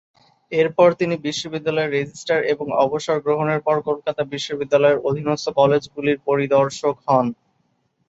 এরপর তিনি বিশ্ববিদ্যালয়ের রেজিস্টার এবং অবসর গ্রহণের পর কলকাতা বিশ্ববিদ্যালয়ের অধীনস্থ কলেজগুলির পরিদর্শক হন।